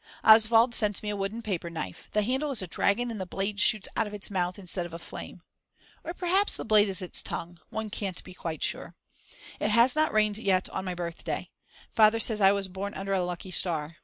Oswald sent me a wooden paper knife, the handle is a dragon and the blade shoots out of its mouth instead of flame; or perhaps the blade is its tongue, one can't be quite sure. It has not rained yet on my birthday. Father says I was born under a lucky star.